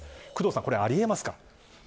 これは、あり得ますか。